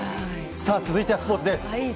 続いてはスポーツです。